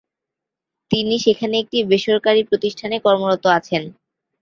তিনি সেখানে একটি বেসরকারি প্রতিষ্ঠানে কর্মরত আছেন।